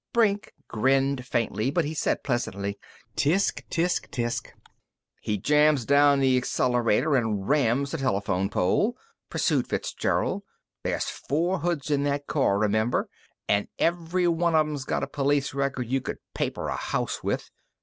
Brink grinned faintly, but he said pleasantly: "Tsk. Tsk. Tsk." "He jams down the accelerator and rams a telephone pole," pursued Fitzgerald. "There's four hoods in that car, remember, and every one of 'em's got a police record you could paper a house with.